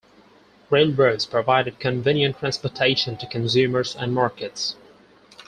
Railroads provided convenient transportation to consumers and markets.